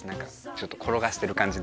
ちょっと転がしてる感じで。